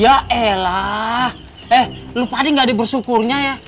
ya elah eh lu tadi nggak ada bersyukurnya ya